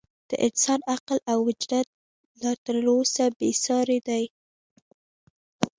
د انسان عقل او وجدان لا تر اوسه بې ساري دی.